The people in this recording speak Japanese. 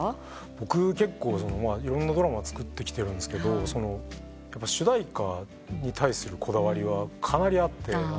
僕結構いろんなドラマ作ってきてるんですけど主題歌に対するこだわりはかなりあって。